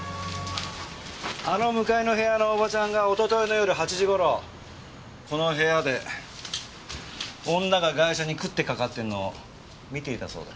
あの向かいの部屋のおばちゃんが一昨日の夜８時頃この部屋で女がガイシャに食ってかかってるのを見ていたそうだ。